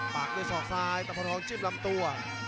ปักด้วยสอกซ้ายตำพังหองจิ๊บลำตัว